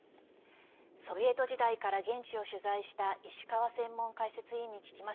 ソビエト時代から現地を取材した石川専門解説委員に聞きます。